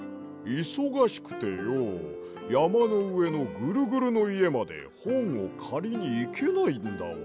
いそがしくてよやまのうえのぐるぐるのいえまでほんをかりにいけないんだわ。